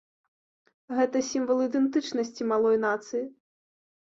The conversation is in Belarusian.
Гэта сімвал ідэнтычнасці малой нацыі.